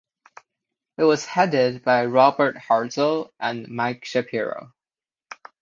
It was headed by Robert Hartzell and Mike Shapiro.